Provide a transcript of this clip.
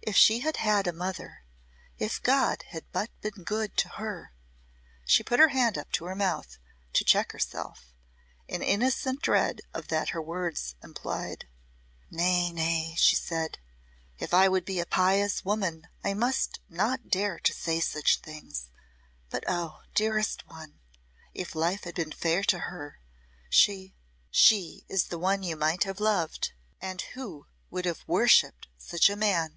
If she had had a mother if God had but been good to her " she put her hand up to her mouth to check herself, in innocent dread of that her words implied. "Nay, nay," she said, "if I would be a pious woman I must not dare to say such things. But oh! dearest one if life had been fair to her, she She is the one you might have loved and who would have worshipped such a man.